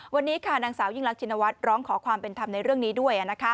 วันนี้ค่ะนางสาวยิ่งรักชินวัฒน์ร้องขอความเป็นธรรมในเรื่องนี้ด้วย